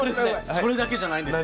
それだけじゃないんです。